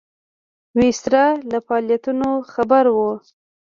ویسرا له فعالیتونو خبر وو.